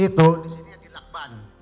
di sini ada lakban